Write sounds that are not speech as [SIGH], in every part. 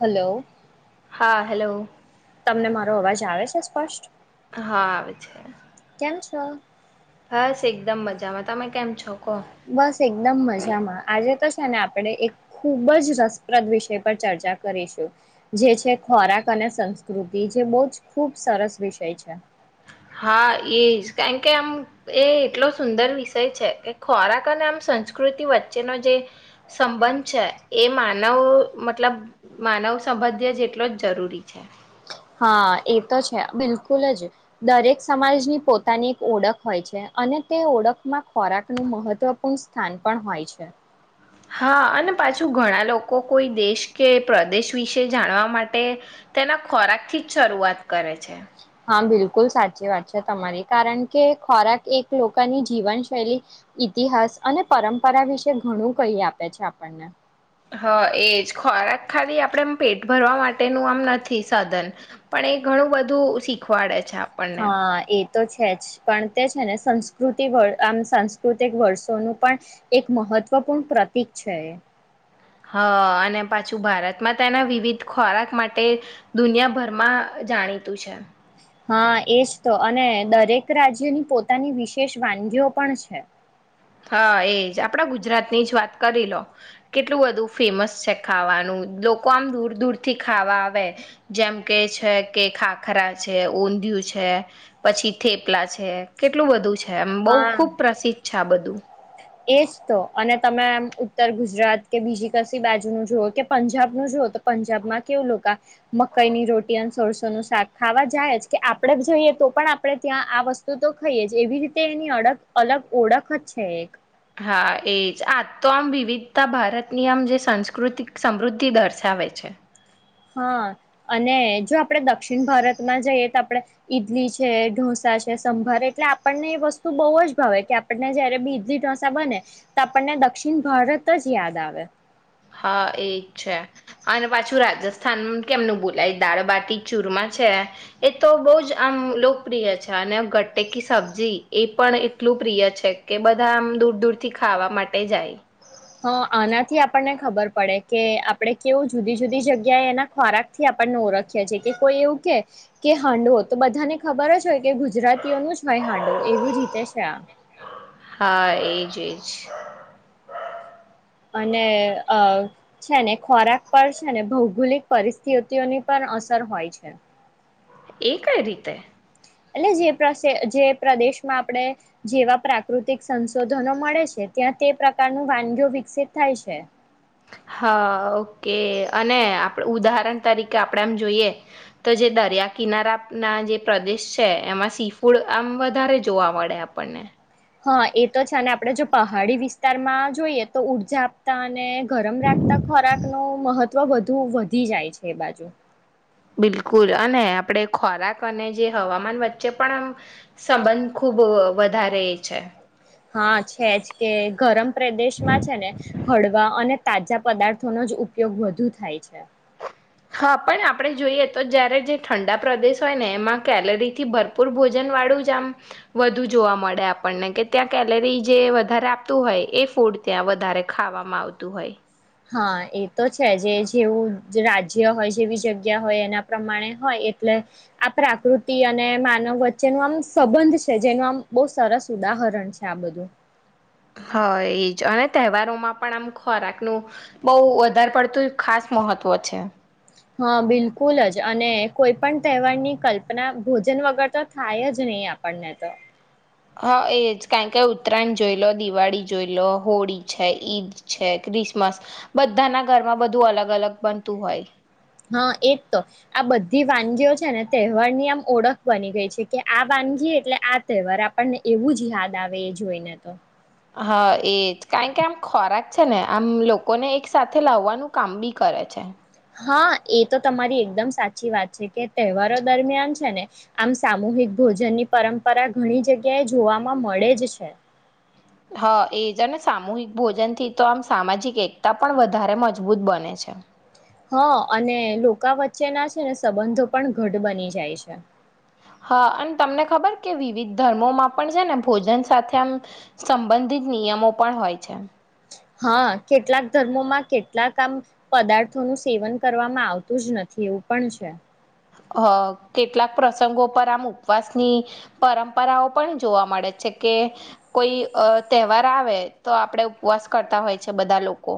Hello. હા hello. અને મારો અવાજ આવે છે સ્પષ્ટ. હા આવે છે. કેમ છો? બસ એકદમ મજામાં તમે કેમ છો? કહો બસ એકદમ મજામાં આજે તો આપણે એક ખૂબ જ રસપ્રદ વિષય પર ચર્ચા કરીશું જે છે ખોરાક અને સંસ્કૃતિ જે બહુ જ ખૂબ સરસ વિષય છે. હા એ જ કારણ કે આમ એ એટલો સુંદર વિષય છે કે ખોરાક અને આમ સંસ્કૃતિ વચ્ચેનો જે સંબંધ છે એ માનવ મતલબ માનવ સંબંધ્ય જેટલો જ જરૂરી છે. હા એ તો છે બિલકુલ જ દરેક સમાજની પોતાની એક ઓળખ હોય છે અને તે ઓળખમાં ખોરાકનું મહત્વપૂર્ણ સ્થાન પણ હોય છે. હા અને પાછું ઘણા લોકો કોઈ દેશ કે પ્રદેશ વિશે જાણવા માટે તેના ખોરાક થી જ શરૂઆત કરે છે. હા બિલકુલ સાચી વાત છે તમારી કારણ કે ખોરાક એક લોકોની જીવનશૈલી ઈતિહાસ અને પરંપરા વિશે ઘણું કહી આપે છે આપણને. હા એજ ખોરાક ખાલી આપણેમ પેટ ભરવા માટેનું આમ નથી સાધન પણ એ ઘણું બધું શીખવાડે છે. અચ્છા આપણને. હા એ તો છે જ પણ તે છે ને સંસ્કૃતિ આમ સાંસ્કૃતિક વર્ષોનું પણ એક મહત્વપૂર્ણ પ્રતીક છે. હ અને પાછું ભારતમાં તેના વિવિધ ખોરાક માટે દુનિયાભરમાં જાણીતું છે. હા એજ તો અને દરેક રાજ્યની પોતાની વિશેષ વાનગીઓ પણ છે. હા એજ આપડા ગુજરાતની જ વાત કરી લો કેટલું બધું ફેમસ છે ખાવાનું લોકો આમ દૂર દૂરથી ખાવા આવે જેમ કે છે કે ખાખરા છે ઊંધિયું છે પછી થેપલા છે કેટલું બધું છે. એમ બહુ હા ખુબ પ્રસિદ્ધ છે. આ બધું એજ તો અને તમે આમ ઉત્તર ગુજરાત કે બીજી કશી બાજુ ન જુઓ કે પંજાબનુંું જુઓ તો પંજાબમાં કેવું લોકો આ મકઈની રોટી અને સોરસોનુંું શાક ખાવા જાય જ કે આપણેે જ જઈએ તો પણ આપણે ત્યાં આ વસ્તુ તો ખાઈએ જ એવી રીતે એની અડગ અલગ ઓળખ જ એક હા એજ આજ તો આમ વિવિધતા ભારતની આમ જે સંસ્કૃત સમૃદ્ધિ દર્શાવે છે. હા અને જો આપણે દક્ષિણ ભારતમાં જઈએ તો આપડણે ઈડલી છે ઢોસા છે સંભાર એટલે આપણને એ વસ્તુ બહુ જ ભાવે કે આપણને જયારે બી ઈડલી ઢોસા બને તો આપણને દક્ષિણ ભારત જ યાદ આવે હા એજ છે અને પાછું રાજસ્થાન કેમનું બોલાય દાળબાટી ચૂરમા છે એ તો બહ જ આમ લોકપ્રિય છે અને ગટેકી સબ્જી એ પણ એટલું પ્રિય છે કે બધા આમ દૂર દૂરથી ખાવા માટે જાય. હા આનાથી આપણને ખબર પડે કે આપણે કેવું જુદી જુદી જગ્યાએ એના ખોરાક થી આપણને ઓળખીએ છીએ કે કોઈ એવું કે કે હાંડવો તો બધાને ખબર જ હોય કે ગુજરાતીઓનું જ હોય હાંડવું એવી રીતે છે આ હા એજ એજ. અને અ છે ને ખોરાક પર છે ને ભૌગોલિક પરિસ્થિતિઓની પણ અસર હોય છે. એ કઈ રીતે એટ જે જે પ્રદેશમાં આપણે જેવા પ્રાકૃતિક સંશોધનો મળે છે ત્યાં તે પ્રકારનું વાનગી વિકસિત થાય છે. હા ઓકે અને ઉદાહરણ તરીકે આપણે આમ જોઈએ તો જે દરિયા કિનારા ના જે પ્રદેશ છે એમાં સી ફૂડ આમ વધારે જોવા મળે આપણને. હા એ તો છે અને આપડે જો પહાડી વિસ્તારમાં જોઈએ તો ઉઊર્જા આપતા અને ગરમ રાખતા ખોરાક નો મહત્વ બવવધી જાય છે એ બાજુ. બિલકુલ અને આપણે ખોરાક અને જે હવામાન વચ્ચે પણ સંબંધ ખૂબ વધારે એ છે. હા છેજ કે ગરમ પ્રદેશમાં છે ને હળવા અને તાજા પદાર્થોનો જ ઉપયોગ વધુ થાય છે. હા પણ આપણે જોઈએ તો જયારે જે ઠંડા પ્રદેશ હોય ને એમાં કેલરી થી ભરપૂર ભોજન વાળું જ આમ વધુ જોવા મળે આપણને કે ત્યાં કેલરી જે વધારે આપતું હોય એ ફૂડ ત્યાં વધારે ખાવામાં આવતું હોય. હા એ તો છે જે જેવું રાજ્ય હોય જેવી જગ્યા હોય એના પ્રમાણે હોય એટલે આ પ્રાકૃતિ અને માનવ વચ્ચે ન આમ સંબંધ છે જેનું આમ બહુ સરસ ઉદાહરણ છે આ બધું. હ એજ અને તહેવારોમાં પણ આમ ખોરાકનું બહુ વધારે પડતું ખાસ મહત્વ છે. હા બિલકુલ જ અને કોઈ પણ તહેવારની કલ્પના ભોજન વગર તો થાય જ નહી આપણને તો. હા એ જ કારણ કે ઉત્તરાયણ જોઈ લો દિવાળી જોઈ લો હોળી છે ઈદ છે ક્રિસમસ બધાના ઘરમાં બધું અલગ અલગ બનતું હોય. હા એજ તો આ બધી વાનગીઓ છે ને તહેવારની આમ ઓળખ બની ગઈ છે કે આ વાનગી એટલે આ તહેવાર આપણને એવું જ યાદ આવે એ જોઈને તો. હા એજ કારણ કે આમ ખોરાક છે ને આમ લોકોને એક સાથે લાવવાનું કામ બી કરે છે. હા એ તો તમારી એકદમ સાચી વાત છે કે તહેવારો દરમિયાન છે ને આમ સામૂહિક ભોજનની પરંપરા ઘણી જગ્યાએ જોવાવામાં મળે જ છે. હા એજ અને સામૂહિક ભોજન થી તો આમ સામાજિક એકતા પણ વધારે મજબૂત બને છે. હ અને લોકા વચ્ચે ના છે ને સંબંધો પણ ઘટ બની જાય છે. હા અને તમને ખબર કે વિવિધ ધર્મોમાં પણ છે ને ભોજન સાથે આમ સંબંધિત નિયમો પણ હોય છે. હા કેટલાક ધર્મોમાં કેટલાક આમ પદાર્થોનું સેવન કરવામાં આવતું જ નથી એવું પણ છે. હ કેટલાક પ્રસંગો પર આમ ઉપવાસની પરંપરાઓ પણ જોવા મળે છે કે કોઈ તહેવાર અ આવે તો આપણેે ઉપવાસ કરતા હોય છે બધા લોકો.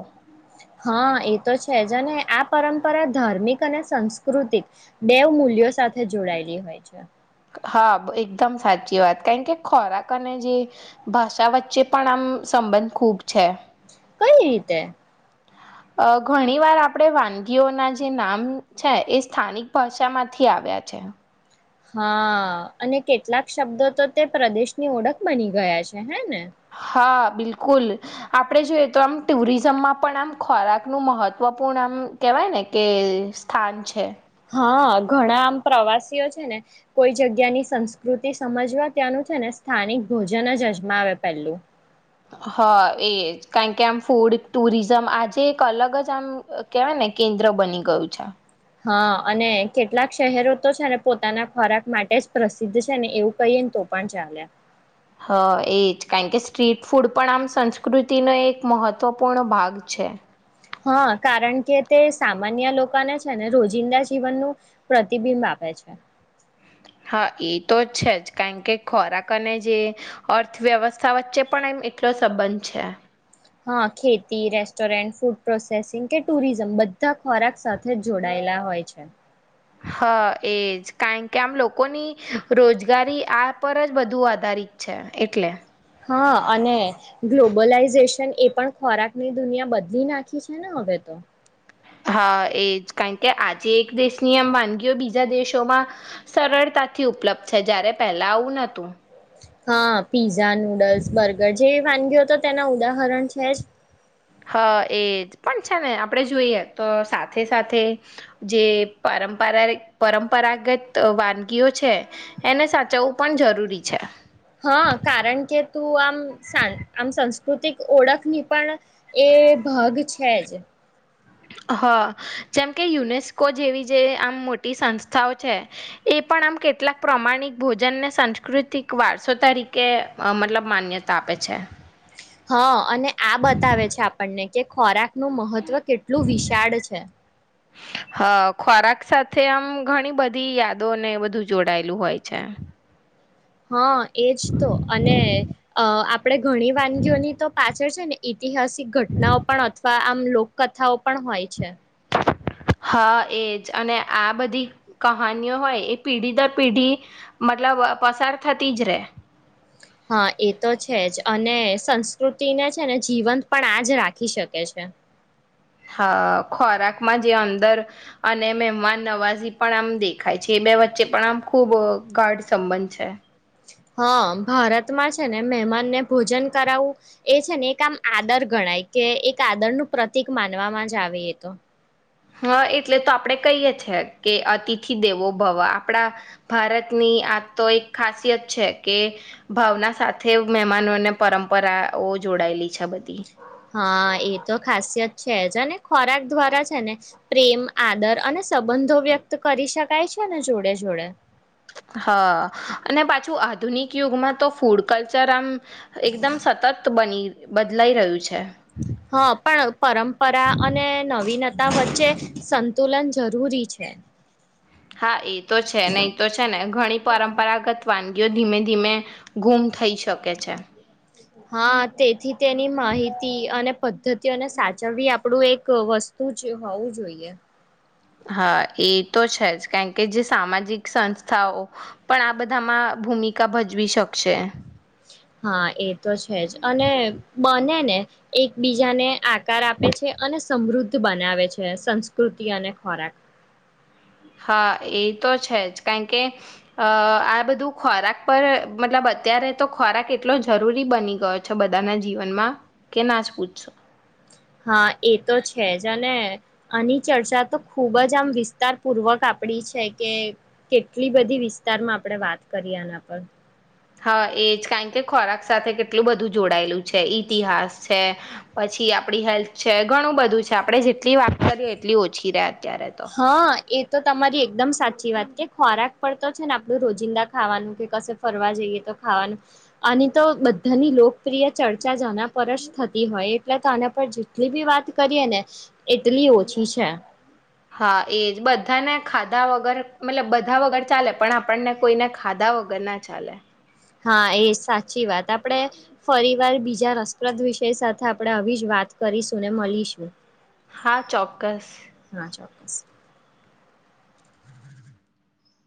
હા એ તો છે જ અને આ પરંપરા ધાર્મિક અને સંસ્કૃતિક બે મૂલ્યો સાથે જોડાયેલી હોય છે. હા એકદમ સાચી વાત કારણ કે ખોરાક અને જે ભાષા વચ્ચે પણ આમ સંબંધ ખૂબ છે. કંઈ રીતે? અ ઘણી વાર આપણે વાનગીઓના જે નામ છે એ સ્થાનિક ભાષામાંથી આવ્યા છે. હા અને કેટલાક શબ્દો તો તે પ્રદેશની ઓળખ બની ગયા છે હે ને હા બિલકુલ આપણે જોઈએ તો આમ ટુરિઝમમાં પણ આમ ખોરાકનું મહત્ત્વપૂર્ણ આમ કહેવાય ને કે સ્થાન છે. હા ઘણા આમ પ્રવાસીઓ છે ને કોઈ જગ્યાની સંસ્કૃતિ સમજવા ત્યાંનું છે ને સ્થાનિક ભોજન જ અજમાવે પેલું. હા એ કારણ કે આમ ફૂડ ટુરિઝમ આજે એક અલગ જ આમ કેવાય ને કેન્દ્ર બની ગયું છે. હા અને કેટલાક શહેરો તો છે ને પોતાના ખોરાક માટે જ પ્રસિદ્ધ છે ને એવું કહીએ ને તો પણ ચાલે. હ એજ કારણ કે સ્ટ્રીટ ફૂડ પણ આમ સંસ્કૃતિનો એક મહત્વપૂર્ણ ભાગ છે. હા કારણ કે તે સામાન્ય લોકાને છે ને રોજિંદા જીવનનું પ્રતિબિંબ આપે છે. હા એ તો છે જ કારણ કે ખોરાક અને જે અર્થવ્યવસ્થા વચ્ચે પણ એમ એટલો સંબંધ છે. હા ખેતી, રેસ્ટોરન્ટ ફૂડ પ્રોસેસિંગ કે ટુરિઝમ બધા ખોરાક સાથે જ જોડાયેલા હોય છે. હા એજ કારણ કે આમ લોકોની રોજગારી આ પર જ બધું આધારિત છે એટલે. હા અને ગ્લોબલાઈઝેશન એ પણ ખોરાકની દુનિયા બદલી નાખી છે ને હવે તો. હા એજ કારણ કે આજે એક દેશની આમ વાનગીઓ બીજા દેશોમાં સરળતાથી ઉપલબ્ધ છે જયારે પહેલા આવું નતું. હા પીઝા, નૂડલ્સ, બર્ગર જેવી વાનગીઓ તો તેના ઉદાહરણ છે જ. હા એજ પણ છે ને આપણેે જોઈએ તો સાથે સાથે જે પરંપરા પરંપરાગત વાનગીઓ છે એને સાચવવું પણ જરૂરી છે. હા કારણ કે શું આમ આમ સંસ્કૃતિક ઓળખની પણ એ ભાગ છે જ. હ જેમ કે યુનેસ્કો જેવી જે આમ મોટી સંસ્થાઓ છે એ પણ આમ કેટલાક પ્રમાણિક ભોજનને સાંસ્કૃતિક વારસો તરીકે મતલબ માન્યતા આપે છે. હ. અને આ બતાવે છે આપણને કે ખોરાક નું મહત્ત્વ કેટલું વિશાળ છે. હા ખોરાક સાથે આમ ઘણી બધી યાદોને બધું જોડાયેલું હોય છે. હ એજ તો અને અ આપણે ઘણી વાનગીઓની તો પાછળ છે ને ઐતિહાસિક ઘટનાઓ પણ અથવા આમ લોકકથાઓ પણ હોય છે. હા એજ અને આ બધી કહાનીઓ હોય એ પેઢી દર પીઢી મતલબ પસાર થતી જ રે. હા એ તો છે જ અને સંસ્કૃતિને છે ને જીવંત પણ આજ રાખી શકે છે. હા ખોરાકમાં જે અંદર અને મહેમાન નવાઝી પણ આમ દેખાય છે એ બે વચ્ચે પણ આમ ખૂબ ગાઢ સંબંધ છે. હ ભારતમાં છે ને મહેમાનને ભોજન કરાવું એ છે ને એક આમ આદર ગણાય કે એક આદર નું પ્રતિક માનવામાં જ આવે એ તો. હા એટલે તો આપડે કહીએ છે કે અતિથિ દેવો ભવ આપડા ભારતની આ તો એક ખાસિયત છે કે ભાવના સાથે મહેમાનોને પરંપરાઓ જોડાયેલી છે બધી. હા એ તો ખાસિયત છે જ અને ખોરાક દ્વારા છે ને પ્રેમ આદર અને સંબંધો વ્યક્ત કરી શકાય છે ને જોડે જોડે. હા અને પાછું આધુનિક યુગમાં તો ફૂડ કલ્ચર આમ એકદમ સતત બની બદલાઈ રહ્યું છે. હા પણ પરંપરા અને નવીન તા વચ્ચે સંતુલન જરૂરી છે હા એ તો છે ને તો છે ને ઘણી પરંપરાગત વાન જો ધીમે ધીમે ગુમ થઈ શકે ઓકે છેા હા તેથી તેની માહિતી અને પદ્ધતિઓને સાચવવી આપણું એક વસ્તુ જ હોવું જોઈએ હા એ તો છે જ કારણ કે જે સામાજિક સંસ્થાઓ પણ આ બધામાં ભૂમિકા ભજવી શકશે હા એ તો છે જ અને બને ને એકબીજાને આ આપે છે અને સમૃદ્ધ બનાવે છે સંસ્કૃતિ અને ખોરાક હા એ તો છે જ કારણ કે અ આ બધું ખોરાક પર મતલબ અત્યારે તો ખોરાક એટલો જરૂરી બની ગયો છે બધાના જીવનમાં કે ના જ પૂછશો હા એ તો છે જ ને આની ચર્ચા તો ખુબ જ આમ વિસ્તાર પૂર્વક આપડી છે કે કેટલી બધી વિસ્તારમાં આપણે વાત કરીએ આના પર હા એજ કારણ કે ખોરાક સાથે કેટલું બધું જોડાયેલું છે ઈતિહાસ છે પછી આપડી હેલ્થ છે ઘણું બધું છે આપડણે જેટલી વાત કરીએ એટલી ઓછી રહ હા એ તો તમારી એકદમ સાચી વાત કે ખોરાક પર તો છે ને આપડું રોજિંદા ખાવાનું કે કશે ફરવા જઈએ તો ખાવાનું આની તો બધાની લોકપ્રિય ચર્ચા જના પર જ થતી હોય એટલે તો આના પર જેટલી બી વાત કરીએ ને એટલી ઓછી છે. હા એજ બધાને ખાધા વગર મતલબ બધા વગર ચાલે પણ આપણને કોઈને ખાધા વગર ના ચાલે. હા એ સાચી વાત આપણે ફરી વાર બીજા રસપ્રદ વિષય સાથે આપણે આવી જ વાત કરીશું ને મલીશું. હા ચોક્કસ. [INAUDIBLE]